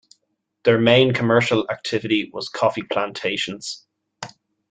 Their main commercial activity was coffee plantations.